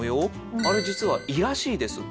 あれ実は胃らしいです。